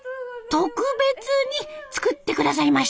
特別に作って下さいました。